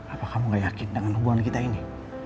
apa kamu gak yakin dengan hubungan kita ini